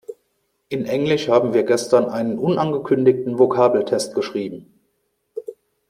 In Englisch haben wir gestern einen unangekündigten Vokabeltest geschrieben.